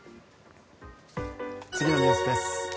次のニュースです。